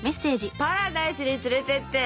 「パラダイスに連れてって」。